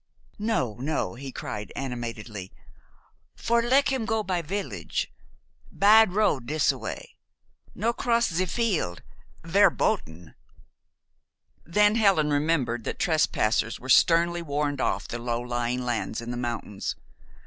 "No, no!" he cried animatedly. "For lek him go by village. Bad road dissa way. No cross ze field. Verboten!" Then Helen remembered that trespassers are sternly warned off the low lying lands in the mountains.